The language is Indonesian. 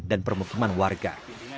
dan permukiman warga